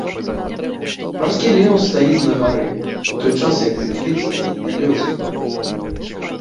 Марскі леў стаіць на гары, у той час як пінгвін стаіць на лёдзе.